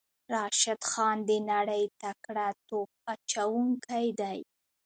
راشد خان د نړۍ تکړه توپ اچوونکی دی.